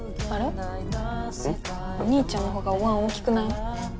お兄ちゃんのほうがおわん大きくない？